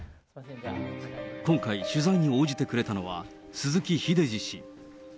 今回、取材に応じてくれたのは鈴木英司氏。